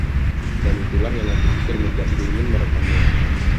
Dan itulah yang aku pikir membuatku ingin merekamnya.